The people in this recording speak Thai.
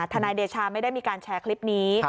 นายเดชาไม่ได้มีการแชร์คลิปนี้